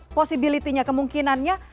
apa mungkinnya kemungkinannya